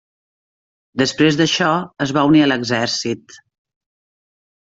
Després d'això es va unir a l'exèrcit.